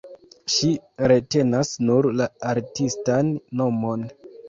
Ŝi retenas nur la artistan nomon.